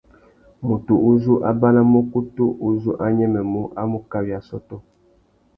Mutu uzú a banamú ukutu uzú a nyêmêmú a mú kawi assôtô.